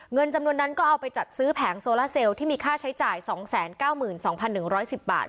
เงินจำนวนนั้นก็เอาไปจัดซื้อแผงโซล่าเซลที่มีค่าใช้จ่าย๒๙๒๑๑๐บาท